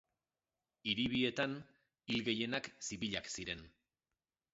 Hiri bietan, hil gehienak zibilak ziren.